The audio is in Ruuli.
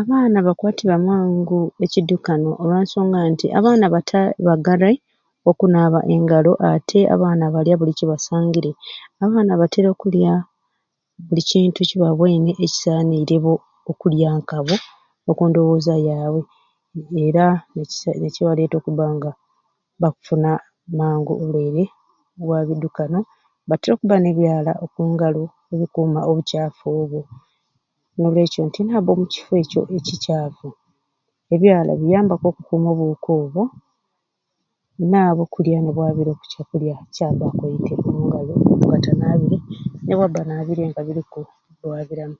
Abaana bakwatibwa mangu ekidukano olwa nsonga nti abaana bata bagarai okunaaba engalo ate abaana balya buli kibasangire abaana batera okulya buli kintu kibabwoine egisaaniire okulya nka bo oku ndowooza yabwe era nekibaleeta okubba nga bakufuna mangu obulwaire bwa biddukano batera okubba n'ebyala ebyakungalo ebikuuma obicaafu obwo n'olwekyo nti nabba omukifo ekyo ebicaafu ebyala biyambaku okukuuma obuwuka obwo nayaba okulya nibwabira oku kyakulya kyabba akwaite omu ngalo nga tanaabire nobwabba nga anaabire nga buliku bwabiramu.